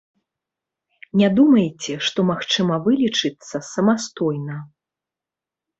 Не думайце, што магчыма вылечыцца самастойна.